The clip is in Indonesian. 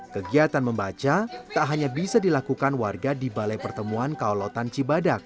kegiatan membaca tak hanya bisa dilakukan warga di balai pertemuan kaulotan cibadak